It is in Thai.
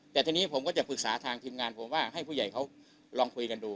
แต่ทีนี้ผมก็จะปรึกษาทางทีมงานผมว่าให้ผู้ใหญ่เขาลองคุยกันดู